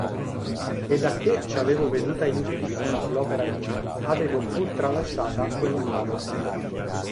E dacchè ci avevo veduta inutilissima l'opera mia, avevo pur tralasciata quella casa.